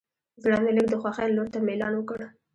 زړه مې لږ د خوښۍ لور ته میلان وکړ.